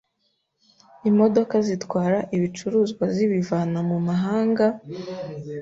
imodoka zitwara ibicuruzwa zibivana mu mahanga,